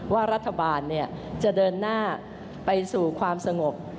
ว่ารัฐบาลจะเดินหน้าไปสู่ความสงบ